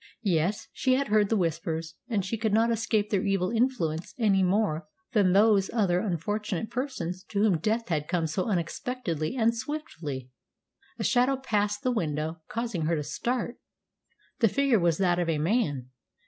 Yes, she had heard the Whispers, and she could not escape their evil influence any more than those other unfortunate persons to whom death had come so unexpectedly and swiftly. A shadow passed the window, causing her to start. The figure was that of a man.